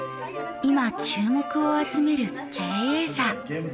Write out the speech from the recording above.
今注目を集める経営者。